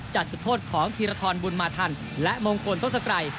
จัดทดโทษของธีรธรบุญมาธรรมและมงคลทศไกร